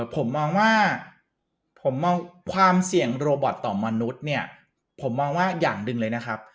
ผมมองว่าผมมองความเสี่ยงโรบอตต่อมนุษย์เนี่ยผมมองว่าอย่างหนึ่งเลยนะครับ